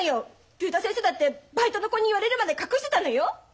竜太先生だってバイトの子に言われるまで隠してたのよ！